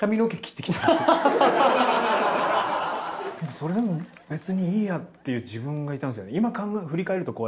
それでも別にいいやっていう自分がいたんですよね。